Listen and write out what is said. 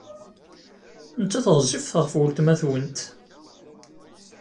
Nettat ɣezzifet ɣef weltma-twent.